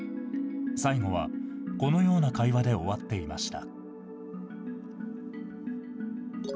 最後はこのような会話で終わっていました。